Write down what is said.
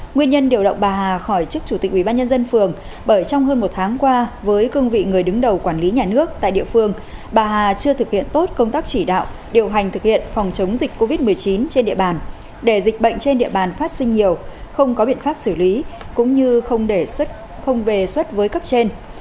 nguyên nhân điều động bà hà khỏi chức chủ tịch ubnd phường bởi trong hơn một tháng qua với cương vị người đứng đầu quản lý nhà nước tại địa phương bà hà chưa thực hiện tốt công tác chỉ đạo điều hành thực hiện phòng chống dịch covid một mươi chín trên địa bàn để dịch bệnh trên địa bàn phát sinh nhiều không có biện pháp xử lý cũng như không về xuất với cấp trên